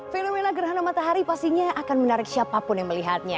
fenomena gerhana matahari pastinya akan menarik siapapun yang melihatnya